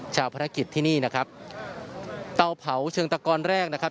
ภารกิจที่นี่นะครับเตาเผาเชิงตะกอนแรกนะครับ